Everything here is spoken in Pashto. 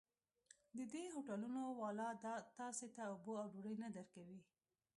د دې هوټلونو والا تاسې ته اوبه او ډوډۍ نه درکوي.